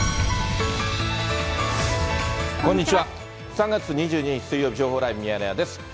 ３月２２日水曜日、情報ライブミヤネ屋です。